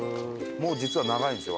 もう実は長いんですよ